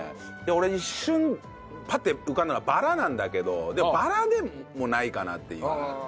俺一瞬パッて浮かんだのはバラなんだけどでもバラでもないかなっていう。